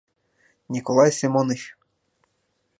Николай Семоныч!